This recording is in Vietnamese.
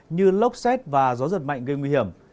như lốc xét và gió giật mạnh gây nguy hiểm